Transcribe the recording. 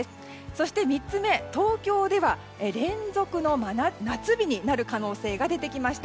そして３つ目、東京では連続の夏日になる可能性が出てきました。